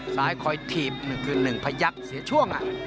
ซ้ายคอยถีบ๑คืน๑พยักษ์เสียช่วง